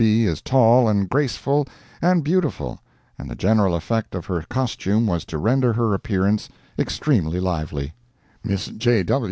B. is tall, and graceful and beautiful, and the general effect of her costume was to render her appearance extremely lively. Miss J.